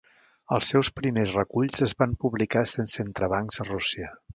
Els seus primers reculls es van publicar sense entrebancs a Rússia.